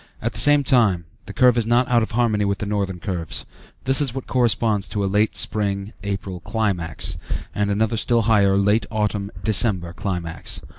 At the same time, the curve is not out of harmony with the northern curves. There is what corresponds to a late spring (April) climax, and another still higher, late autumn (December) climax.